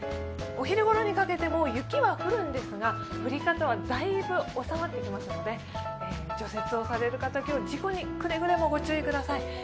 お昼ごろにかけても雪は降るんですが降り方はだいぶ収まってきますので除雪をされる方、今日事故にくれぐれもご注意ください。